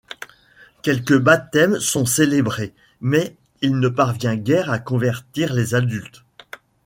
Quelques baptêmes sont célébrés, mais il ne parvient guère à convertir les adultes.